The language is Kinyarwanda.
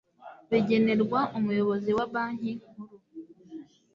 bigenerwa Umuyobozi wa Banki Nkuru